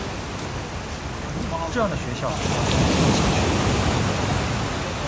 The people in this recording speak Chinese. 这样的学校要怎么经营下去？